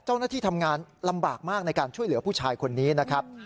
เจ้าหน้าที่ทำงานลำบากมากในการช่วยเหลือผู้ชายคนนี้นะครับ